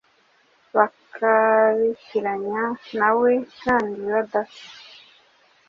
bakabitiranya nawe kandi badasa .